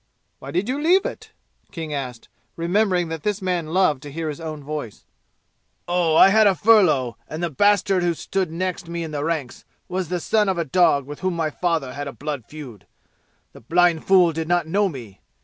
"Why did you leave it?" King asked, remembering that this man loved to hear his own voice. "Oh, I had furlough, and the bastard who stood next me in the ranks was the son of a dog with whom my father had a blood feud. The blind fool did not know me.